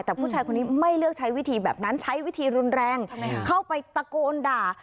แต่ผู้ชายคนนี้ไม่เลือกใช้วิธีแบบนั้นใช้วิธีรุนแรงเข้าไปตะโกนด่า